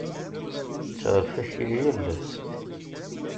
Tetteɣ lfakya yal ass.